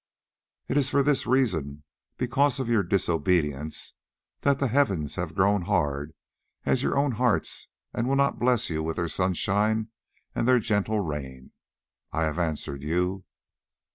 It is for this reason, because of your disobedience, that the heavens have grown hard as your own hearts and will not bless you with their sunshine and their gentle rain. I have answered you."